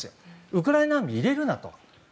ウクライナ難民を入れるなと。